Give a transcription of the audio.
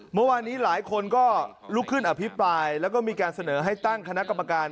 เมื่อวานนี้หลายคนก็ลุกขึ้นอภิปรายแล้วก็มีการเสนอให้ตั้งคณะกรรมการ